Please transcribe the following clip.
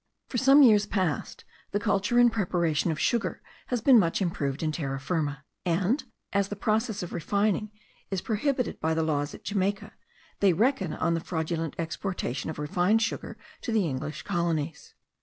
For some years past the culture and preparation of sugar has been much improved in Terra Firma; and, as the process of refining is prohibited by the laws at Jamaica, they reckon on the fraudulent exportation of refined sugar to the English colonies.